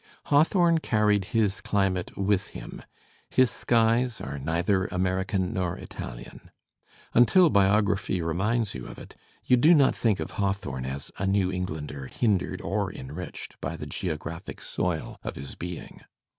Hawthorne carried his climate with him, his skies are neither American nor Italian. Until biography reminds you of it, you do not think of Hawthorne as a New Englander hindered or enriched by the geographic soil of his being.